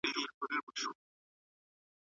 بدترین حالت کي هم امید ساتلی سئ.